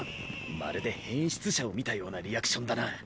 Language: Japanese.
まるで変質者を見たようなリアクションだな。